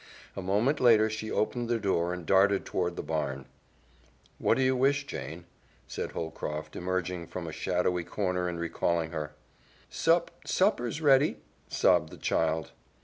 A moment later she opened the door and darted toward the barn. "What do you wish, Jane?" said Holcroft, emerging from a shadowy corner and recalling her. "Sup supper's ready," sobbed the child.